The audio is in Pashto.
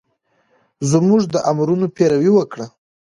زمونږ د امرونو پېروي وکړه